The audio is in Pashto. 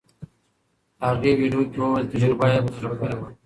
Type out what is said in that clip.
هغې ویډیو کې وویل تجربه یې په زړه پورې وه.